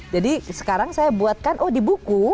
jadi sekarang saya buatkan oh di buku